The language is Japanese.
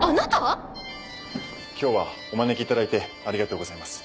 今日はお招き頂いてありがとうございます。